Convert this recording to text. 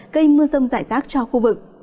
gây mưa rông giải rác cho khu vực